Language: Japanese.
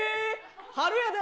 春やで！